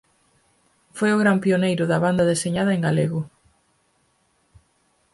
Foi o gran pioneiro da banda deseñada en galego.